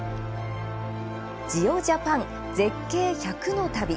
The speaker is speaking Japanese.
「ジオ・ジャパン絶景１００の旅」。